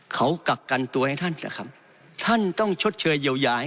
เขากักกันตัวให้ท่านเหรอครับท่านต้องชดเชยเยียวยา